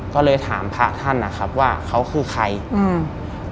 ก็เลยถามพระท่านนะครับว่าเขาคือใครอืม